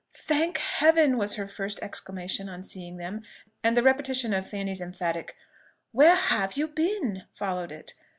"Thank Heaven!" was her first exclamation on seeing them; and the repetition of Fanny's emphatic "Where have you been?" followed it.